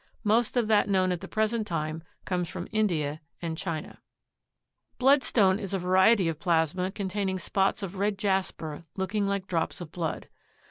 Most of that known at the present time comes from India and China. Bloodstone is a variety of plasma containing spots of red jasper looking like drops of blood.